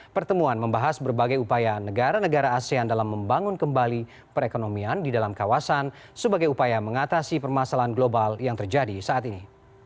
pertemuan membahas berbagai upaya negara negara asean dalam membangun kembali perekonomian di dalam kawasan sebagai upaya mengatasi permasalahan global yang terjadi saat ini